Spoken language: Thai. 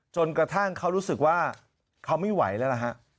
จนกระทั่งเขารู้สึกว่าเขาไม่ไหวแล้วล่ะฮะ